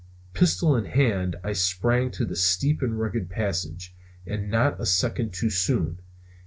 Pistol in hand I sprang to the steep and rugged passage. And not a second too soon.